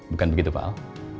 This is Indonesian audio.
bukan begitu pak al